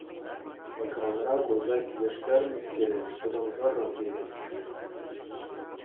Экранра курса килӗштернӗскере чӑтӑмсӑррӑн кӗтетпӗр.